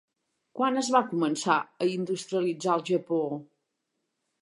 Quan es va començar a industrialitzar el Japó?